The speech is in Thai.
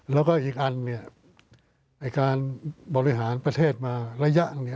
แล้วก็อีกอันการบริหารประเทศมาระยะ